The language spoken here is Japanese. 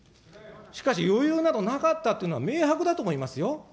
しかし、余裕などなかったっていうのは明白だと思いますよ。